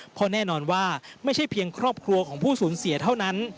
เพราะแน่นอนว่าไม่ใช่เพียงครอบครัวของผู้สูญเสียเท่านั้น